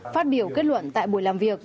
phát biểu kết luận tại buổi làm việc